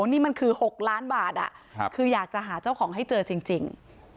นี่มันคือ๖ล้านบาทคืออยากจะหาเจ้าของให้เจอจริง